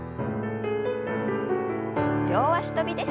両脚跳びです。